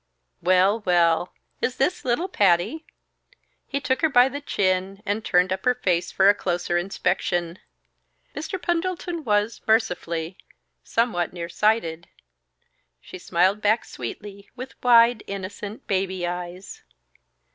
"Well, well! Is this little Patty?" He took her by the chin and turned up her face for a closer inspection Mr. Pendleton was, mercifully, somewhat near sighted. She smiled back sweetly, with wide, innocent, baby eyes.